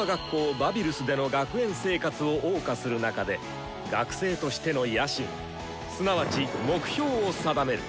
バビルスでの学園生活をおう歌する中で学生としての野心すなわち目標を定める。